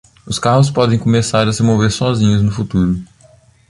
Os carros podem começar a se mover sozinhos no futuro.